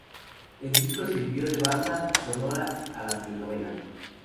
El disco sirvió de banda sonora a la telenovela.